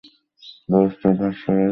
ব্যবস্থার ভার শশীর, দায়িত্ব শশীর।